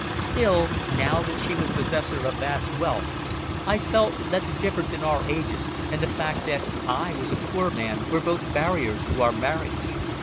Still, now that she was possessor of vast wealth, I felt that the difference in our ages and the fact that I was a poor man were both barriers to our marriage.